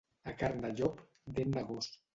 A carn de llop, dent de gos.